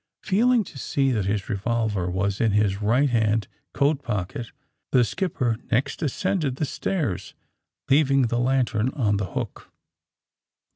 ''^ Feeling to see that his revolver was in his right hand coat pocket, the skipper next ascended the stairs, leaving the lantern on the hook.